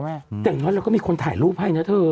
แต่จังนั้นมันก็มีคนถ่ายลูกให้นะเธอ